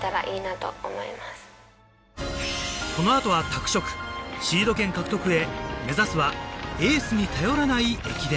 この後は拓殖シード権獲得へ目指すはエースに頼らない駅伝